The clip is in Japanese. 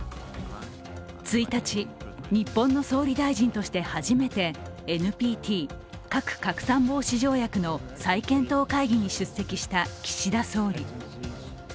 １日、日本の総理大臣として初めてＮＰＴ＝核拡散防止条約の再検討会議に出席した岸田総理。